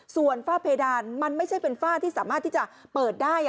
ส่วนฝ้าเพดานมันไม่ใช่เป็นฝ้าที่สามารถที่จะเปิดได้